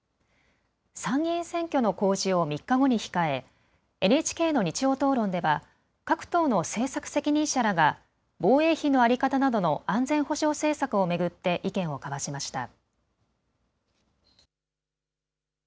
参議院選挙の公示を３日後に控え、ＮＨＫの日曜討論では各党の政策責任者らが防衛費の在り方などの安全保障政策を巡って意見を交わしました。